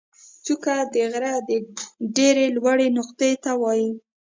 څوکه د غره د ډېرې لوړې نقطې ته وایي.